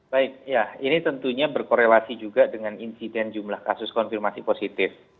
baik ya ini tentunya berkorelasi juga dengan insiden jumlah kasus konfirmasi positif